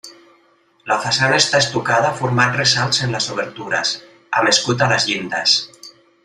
La façana està estucada formant ressalts en les obertures, amb escut a les llindes.